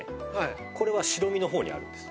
これは白身の方にあるんです。